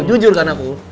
jujur kan aku